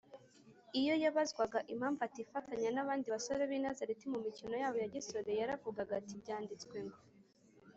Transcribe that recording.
Iyo yabazwaga impamvu atifatanya n’abandi basore b’i Nazareti mu mikino yabo ya gisore, Yaravugaga ati, Byanditswe ngo